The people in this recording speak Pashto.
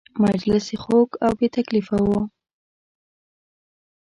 مجلس یې خوږ او بې تکلفه و.